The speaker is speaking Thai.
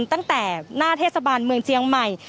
ตั้งแต่หน้าเทศบาลเมืองเจียงใหม่